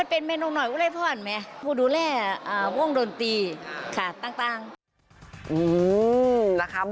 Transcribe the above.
ตอนนี้ปิดแล้วค่ะ